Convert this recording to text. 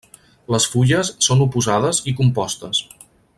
Les fulles són oposades i compostes.